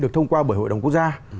được thông qua bởi hội đồng quốc gia